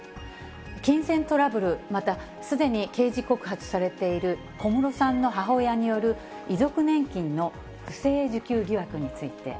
金銭トラブル、また、すでに刑事告発されている小室さんの母親による遺族年金の不正受給疑惑について。